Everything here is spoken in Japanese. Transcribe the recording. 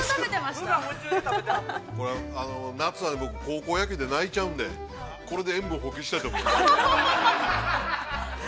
◆これは、夏は高校野球で泣いちゃうんで、これで塩分を補強したいと思います。